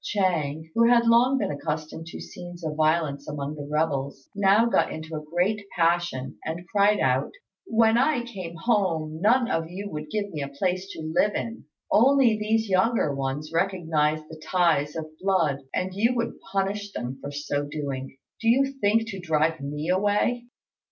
Ch'êng, who had long been accustomed to scenes of violence among the rebels, now got into a great passion, and cried out, "When I came home none of you would give me a place to live in. Only these younger ones recognised the ties of blood, and you would punish them for so doing. Do you think to drive me away?"